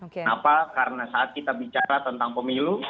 kenapa karena saat kita bicara tentang pemilu